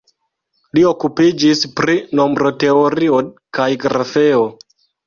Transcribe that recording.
Li okupiĝis pri nombroteorio kaj grafeo.